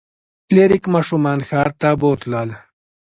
فلیریک ماشومان ښار ته بوتلل.